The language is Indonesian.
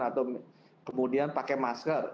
atau kemudian pakai masker